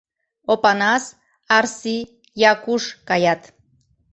Опанас, Арси, Якуш каят.